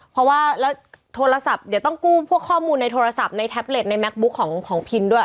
เพราะว่าแล้วโทรศัพท์เดี๋ยวต้องกู้พวกข้อมูลในโทรศัพท์ในแท็บเล็ตในแก๊บุ๊กของพินด้วย